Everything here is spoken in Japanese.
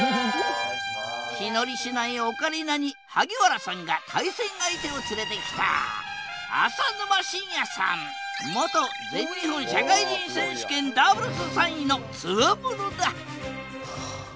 気乗りしないオカリナに萩原さんが対戦相手を連れてきた元全日本社会人選手権ダブルス３位のツワモノだ！